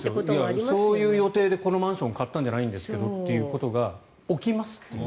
そういう予定でこのマンションを買ったんじゃないんですけどっていうことが置きますっていう。